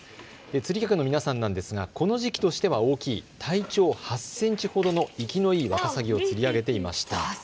釣り客の皆さんなんですがこの時期としては大きい体長８センチほどの活きのいいワカサギを釣り上げていました。